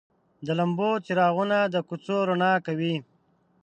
د لمبو څراغونه د کوڅو رڼا کوي.